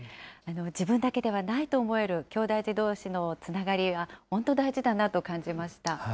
自分だけではないと思えるきょうだい児どうしのつながりは、本当大事だなと感じました。